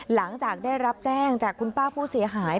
หลังจากได้รับแจ้งจากคุณป้าผู้เสียหาย